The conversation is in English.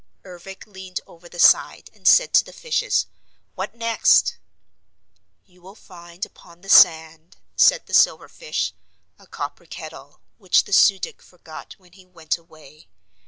Ervic leaned over the side and said to the fishes: "What next?" "You will find upon the sand," said the silverfish, "a copper kettle, which the Su dic forgot when he went away.